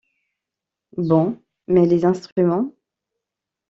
Bon ; mais les instruments?